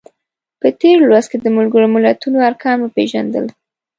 په تېر لوست کې د ملګرو ملتونو ارکان وپیژندل.